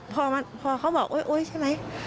พอเขาบอกโอ๊ยใช่ไหม